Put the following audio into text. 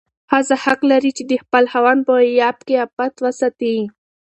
ښځه حق لري چې د خپل خاوند په غياب کې عفت وساتي.